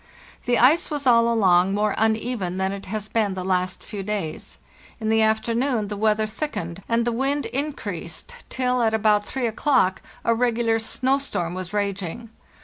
The ice was all along more uneven than it has been the last few days. In the afternoon the 202 FARTHEST NORTH weather thickened, and the wind increased till, at about 3 o'clock, a regular snow storm was raging.